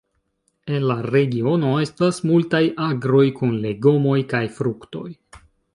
En la regiono estas multaj agroj kun legomoj kaj fruktoj.